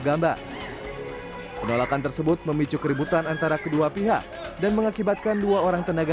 gambar penolakan tersebut memicu keributan antara kedua pihak dan mengakibatkan dua orang tenaga